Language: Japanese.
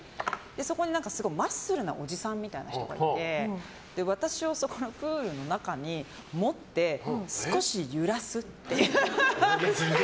そこにすごいマッスルなおじさんみたいな人がいて私をプールの中に持って少し揺らすっていう。